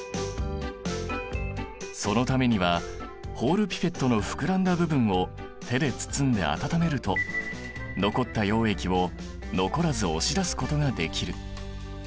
そのためにはホールピペットの膨らんだ部分を手で包んで温めると残った溶液を残らず押し出すことができる。